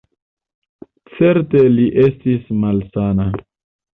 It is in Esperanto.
Certe li estis malsana.